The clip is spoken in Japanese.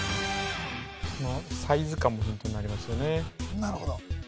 このサイズ感もポイントになりますよね